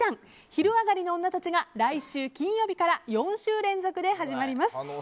「昼上がりのオンナたち」が来週金曜日から４週連続で始まります。